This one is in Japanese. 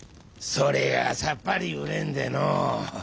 「それがさっぱりうれんでのう。